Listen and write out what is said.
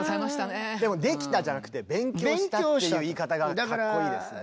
でも「できた」じゃなくて「勉強した」っていう言い方がかっこいいですね。